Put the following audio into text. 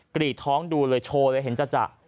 กรีดท้องดูเลยโชว์เลยเห็นจะ